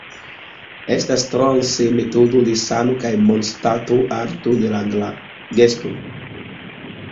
Estas transe metodo de sano kaj bonstato, arto de la gesto.